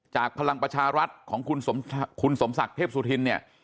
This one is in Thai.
พลังประชารัฐของคุณสมศักดิ์เทพสุธินเนี่ย